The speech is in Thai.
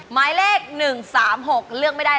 หมวกปีกดีกว่าหมวกปีกดีกว่า